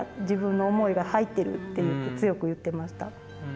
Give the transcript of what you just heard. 自分の思いが入ってる」って言って強く言ってました。